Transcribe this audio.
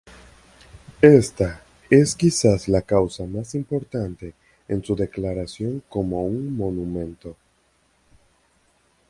Esta es quizá la causa más importante en su declaración como monumento.